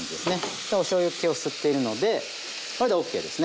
じゃあおしょうゆっけを吸っているのでこれでＯＫですね。